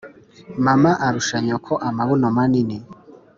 Mama arusha nyoko amabuno manini.